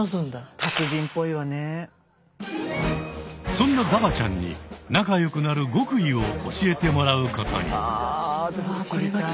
そんなダバちゃんに仲良くなる極意を教えてもらうことに。